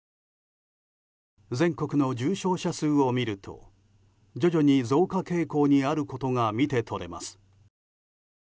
全国の重症者数をみると徐々に増加傾向にあることが見て取れます。